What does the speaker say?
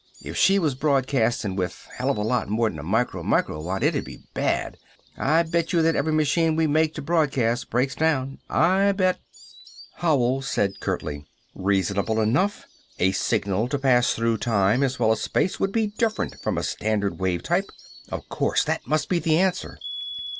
If she was broadcastin', with a hell of a lot more'n a micro microwatt it'd be bad! I bet you that every machine we make to broadcast breaks down! I bet " Howell said curtly: "Reasonable enough! A signal to pass through time as well as space would be different from a standard wave type! Of course that must be the answer."